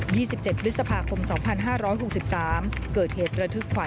มีความรู้สึกว่ามีความรู้สึกว่า